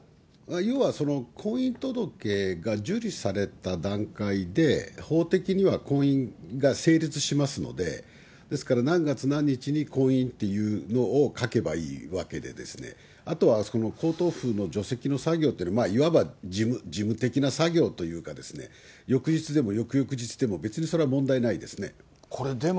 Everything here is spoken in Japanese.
要は、婚姻届が受理された段階で、法的には婚姻が成立しますので、ですから、何月何日に婚姻というのを書けばいいわけで、あとは皇統譜の除籍の作業っていうのは、いわば事務的な作業というかですね、翌日でも、翌々日でも、これ、でも。